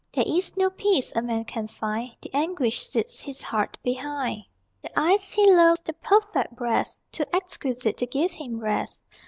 There is no peace A man can find; The anguish sits His heart behind. The eyes he loves, The perfect breast, Too exquisite To give him rest.